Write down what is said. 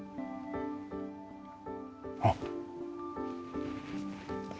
あっ。